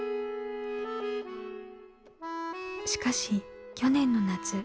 しかし去年の夏。